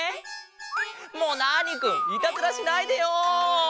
もうナーニくんいたずらしないでよ！